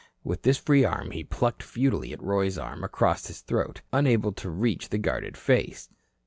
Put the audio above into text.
With this free arm he plucked futilely at Roy's arm across his throat, unable to reach the guarded face.